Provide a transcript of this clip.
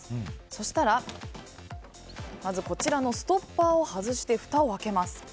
そしたら、まずストッパーを外してふたを開けます。